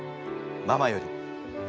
ママより」。